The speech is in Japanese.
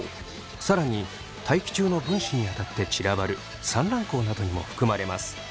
更に大気中の分子に当たって散らばる散乱光などにも含まれます。